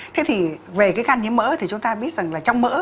thế thì về cái gan nhiễm mỡ thì chúng ta biết rằng là trong mỡ